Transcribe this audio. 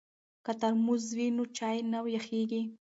که ترموز وي نو چای نه یخیږي.